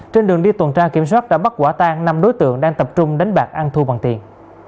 trên đường đi tuần tra kiểm soát đã bắt quả tan năm đối tượng đang tập trung đánh bạc ăn thua bằng tiền